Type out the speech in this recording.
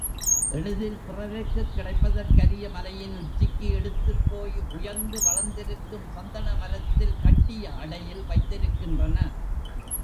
எளிதில் பிறருக்குக் கிடைப்பதற்கரிய மலையின் உச்சிக்கு எடுத்துப் போய் உயர்ந்து வளர்ந்திருக்கும் சந்தன மரத்தில் கட்டிய அடையில் வைத்திருக்கின்றன.